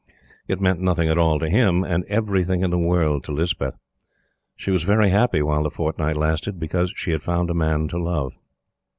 It meant nothing at all to him, and everything in the world to Lispeth. She was very happy while the fortnight lasted, because she had found a man to love.